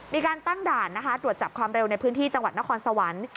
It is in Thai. มีการตั้งด่านนะคะตรวจจับความเร็วในพื้นที่จังหวัดนครสวรรค์